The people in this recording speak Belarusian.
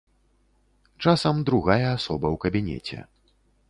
Часам другая асоба ў кабінеце.